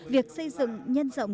việc xây dựng nhân rộng